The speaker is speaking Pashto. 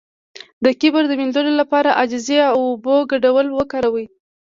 د کبر د مینځلو لپاره د عاجزۍ او اوبو ګډول وکاروئ